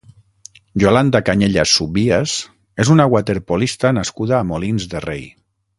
Iolanda Cañellas Subías és una waterpolista nascuda a Molins de Rei.